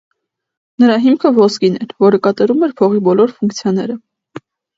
Նրա հիմքը ոսկին էր, որը կատարում էր փողի բոլոր ֆունկցիաները։